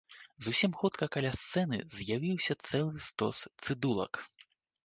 Зусім хутка каля сцэны з'явіўся цэлы стос цыдулак.